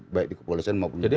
baik di kepolisian maupun kejaksaan